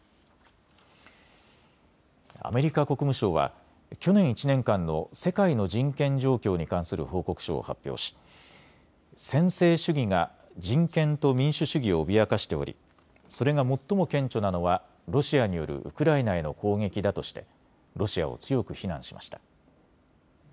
アメリカ国務省は去年１年間の世界の人権状況に関する報告書を発表し専制主義が人権と民主主義を脅かしておりそれが最も顕著なのはロシアによるウクライナへの攻撃だとしてロシアを強く非難しました。